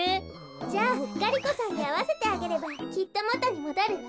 じゃあガリ子さんにあわせてあげればきっともとにもどるわ。